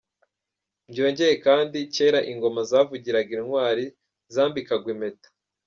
Byongeye kandi, kera Ingoma zavugiraga Intwari zambikwaga impeta.